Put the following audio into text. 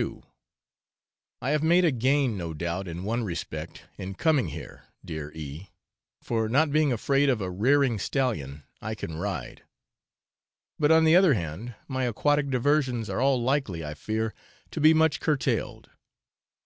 _ I have made a gain, no doubt, in one respect in coming here, dear E , for, not being afraid of a rearing stallion, I can ride; but, on the other hand, my aquatic diversions are all likely, I fear, to be much curtailed.